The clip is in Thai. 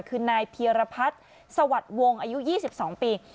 คือนายเพียรพัฒน์สวัสดิ์วงศ์อายุ๒๒ปี